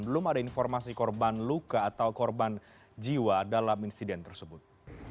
belum ada informasi korban luka atau korban jiwa dalam insiden tersebut